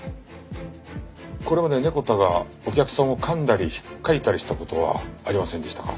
これまでネコ太がお客さんを噛んだり引っかいたりした事はありませんでしたか？